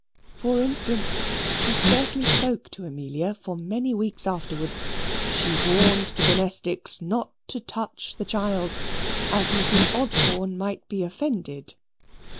For instance, she scarcely spoke to Amelia for many weeks afterwards. She warned the domestics not to touch the child, as Mrs. Osborne might be offended.